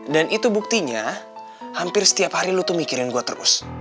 dan itu buktinya hampir setiap hari lo tuh mikirin gue terus